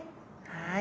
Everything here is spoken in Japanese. はい。